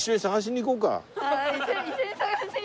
一緒に探しに。